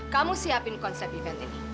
kamu siapin konsep event ini